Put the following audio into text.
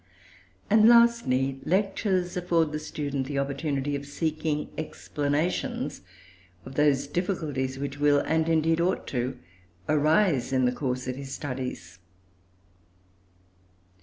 And lastly, lectures afford the student the opportunity of seeking explanations of those difficulties which will, and indeed ought to, arise in the course of his studies.